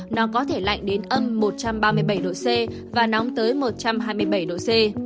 nó có thể lạnh đến âm một trăm ba mươi bảy độ c và nóng tới một trăm hai mươi bảy độ c